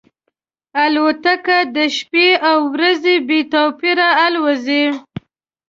الوتکه د شپې او ورځې بې توپیره الوزي.